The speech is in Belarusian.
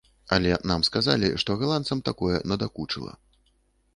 Але нам сказалі, што галандцам такое надакучыла.